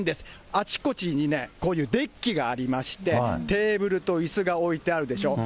あちこちにね、こういうデッキがありまして、テーブルといすが置いてあるでしょう。